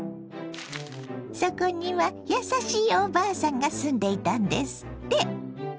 そこには優しいおばあさんが住んでいたんですって。